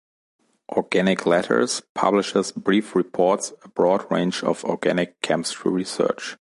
Organic Letters publishes brief reports a broad range of organic chemistry research.